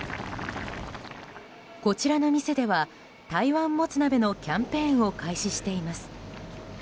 こちらの店では台湾もつ鍋のキャンペーンを開始しています。